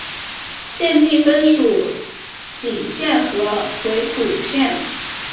县境分属鄞县和回浦县。